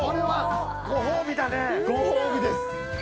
ご褒美です。